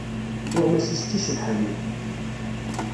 Tuɣmas-is d ticebḥanin.